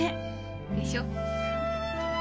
でしょ？